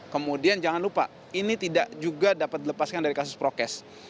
kemudian jangan lupa ini tidak juga dapat dilepaskan dari kasus prokes